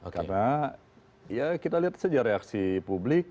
karena kita lihat saja reaksi publik